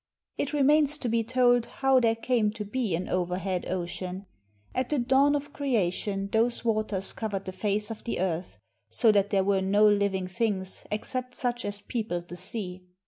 It remains to be told how there came to be an over head ocean. At the dawn of creation those waters cov ered the face of the earth, so that there were no living things except such as peopled the sea.